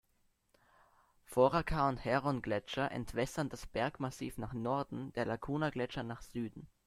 Foraker- und Herron-Gletscher entwässern das Bergmassiv nach Norden, der Lacuna-Gletscher nach Süden.